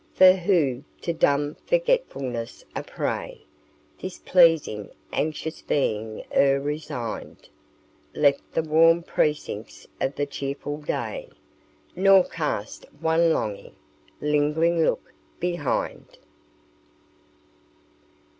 "For who, to dumb forgetfulness a prey, This pleasing, anxious being e'er resigned, Left the warm precincts of the cheerful day, Nor cast one longing, lingering look behind?"